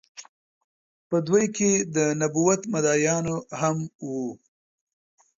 په دوی کې د نبوت مدعيانو هم وو